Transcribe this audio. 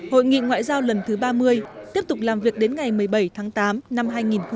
hội nghị ngoại giao lần thứ ba mươi tiếp tục làm việc đến ngày một mươi bảy tháng tám năm hai nghìn hai mươi